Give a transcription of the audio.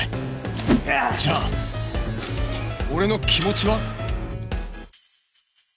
じゃあ俺の気持ちは？